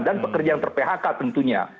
dan pekerja yang ter phk tentunya